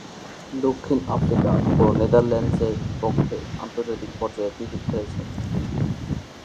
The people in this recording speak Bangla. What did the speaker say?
দক্ষিণ আফ্রিকা ও নেদারল্যান্ডসের পক্ষে আন্তর্জাতিক পর্যায়ে ক্রিকেট খেলছেন।